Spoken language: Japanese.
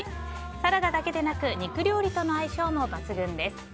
サラダだけでなく肉料理との相性も抜群です。